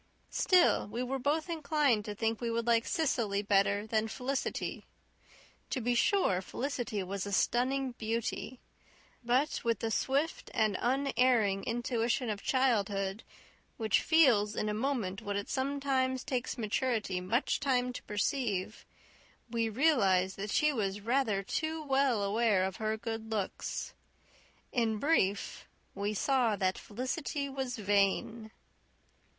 Still, we were both inclined to think we would like Cecily better than Felicity. To be sure, Felicity was a stunning beauty. But, with the swift and unerring intuition of childhood, which feels in a moment what it sometimes takes maturity much time to perceive, we realized that she was rather too well aware of her good looks. In brief, we saw that Felicity was vain.